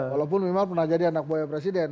walaupun wimar pernah jadi anak buahnya presiden